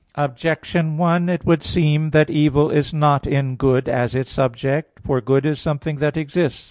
Objection 1: It would seem that evil is not in good as its subject. For good is something that exists.